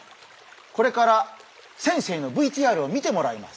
これから先生のＶＴＲを見てもらいます。